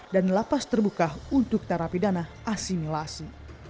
dan lapas terbuka untuk terapi dana asimilasi